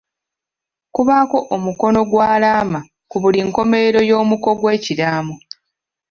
Kubaako omukono gw'alaama ku buli nkomerero y'omuko gw'ekiraamo.